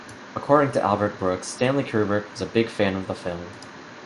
According to Albert Brooks, Stanley Kubrick was a big fan of the film.